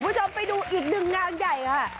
คุณผู้ชมไปดูอีกหนึ่งงานใหญ่ค่ะ